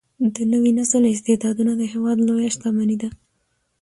د نوي نسل استعدادونه د هیواد لویه شتمني ده.